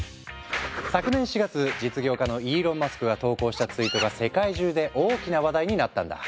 昨年４月実業家のイーロン・マスクが投稿したツイートが世界中で大きな話題になったんだ。